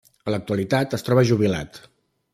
En l'actualitat es troba jubilat.